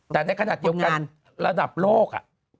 แต่เกี่ยวกันระดับโลก